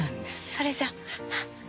それじゃあ。